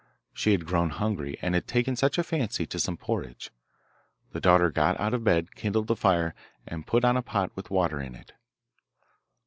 She had grown hungry, and had taken such a fancy to some porridge. The daughter got out of bed, kindled the fire, and put on a pot with water in it.